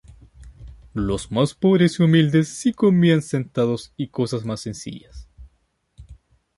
Los más pobres y humildes sí que comían sentados y cosas más sencillas.